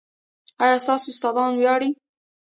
ایا ستاسو استادان ویاړي؟